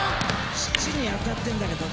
縁に当たってんだけどね。